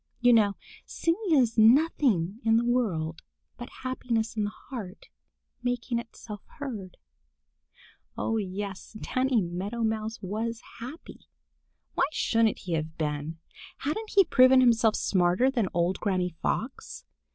You know singing is nothing in the world but happiness in the heart making itself heard. Oh, yes, Danny Meadow Mouse was happy! Why shouldn't he have been? Hadn't he proved himself smarter than old Granny Fox?